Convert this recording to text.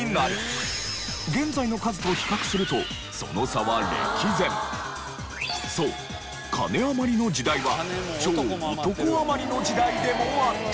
現在の数と比較するとそう金余りの時代は超男余りの時代でもあった。